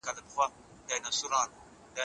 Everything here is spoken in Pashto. اسدالله خان په فراه کې د شاه محمود سره مخامخ شو.